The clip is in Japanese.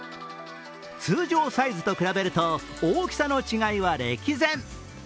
通常サイズと比べると大きさの違いは歴然。